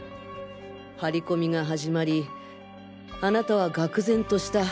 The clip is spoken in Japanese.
張り込みが始まりあなたはがく然とした。